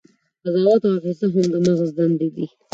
قضاوت او حافظه هم د مغز دندې دي.